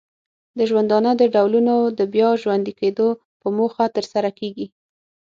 د ژوندانه د ډولونو د بیا ژوندې کیدو په موخه ترسره کیږي.